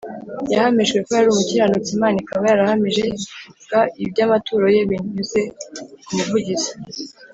yahamijwe ko yari umukiranutsi Imana ikaba yarahamije g iby amaturo ye binyuze kumuvugizi